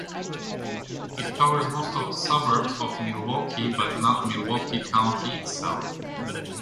It covers most of the suburbs of Milwaukee, but not Milwaukee County itself.